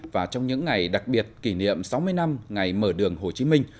và trong những ngày đặc biệt kỷ niệm sáu mươi năm ngày mở đường hồ chí minh